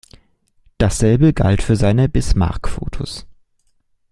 Dasselbe galt für seine Bismarck-Fotos.